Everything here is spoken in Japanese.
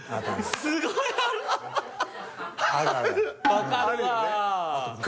分かるわ。